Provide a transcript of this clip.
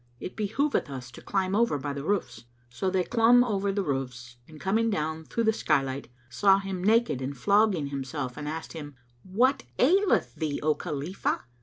It behoveth us to climb over by the roofs." So they clomb over the roofs and coming down through the sky light, [FN#210] saw him naked and flogging himself and asked him, "What aileth thee, O Khalifah?"